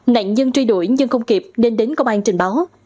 nạn nhân truy đuổi nhưng không kịp nên đến công an trình báo